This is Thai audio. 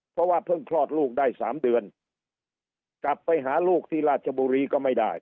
เพราะว่าเพิ่งคลอดลูกได้สามเดือนกลับไปหาลูกที่ราชบุรีก็ไม่ได้